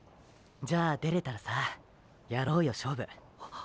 じゃ出れたらさやろうよ勝負。っ！！